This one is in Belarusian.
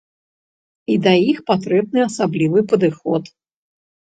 І да іх патрэбны асаблівы падыход.